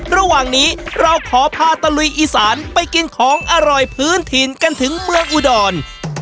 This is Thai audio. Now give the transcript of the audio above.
ระหว่างนี้เราขอพาตะลุยอีสานไปกินของอร่อยพื้นถิ่นกันถึงเมืองอุดร